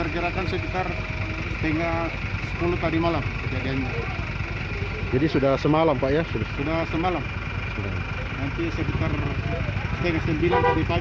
jangan lupa like share dan subscribe ya